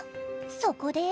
そこで。